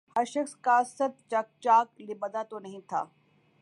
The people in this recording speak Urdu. ہر شخص کا صد چاک لبادہ تو نہیں تھا